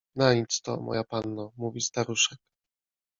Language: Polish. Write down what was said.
— Na nic to, moja panno — mówi staruszek.